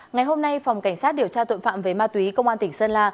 ngày hôm nay phòng cảnh sát điều tra tội phạm về ma túy công an tỉnh sơn la